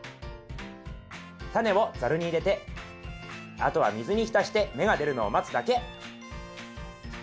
タネをザルに入れてあとは水に浸して芽が出るのを待つだけ。